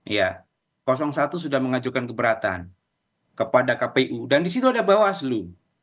ya satu sudah mengajukan keberatan kepada kpu dan di situ ada bawaslu